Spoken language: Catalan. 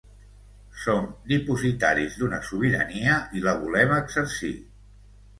Som dipositaris d’una sobirania i la volem exercir.